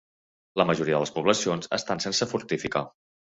La majoria de les poblacions estan sense fortificar.